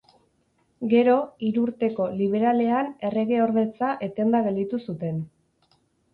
Gero, Hirurteko Liberalean erregeordetza etenda gelditu zuten.